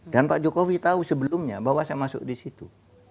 dan pak jokowi tahu sebelumnya bahwa saya masuk di situ